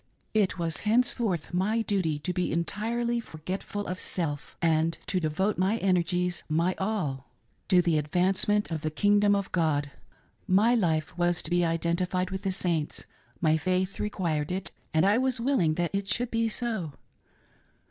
It was henceforth my duty to be entirely forgetful of self, and to de vote my energies — my all — to the advancement of the King 62 MATRIMONIAL DIFFICULTIES. dom of God. My life was to be identified with the Saints, — my faith required it, and I was willing that it should be so.